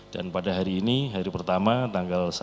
dan pada hari ini hari pertama tanggal satu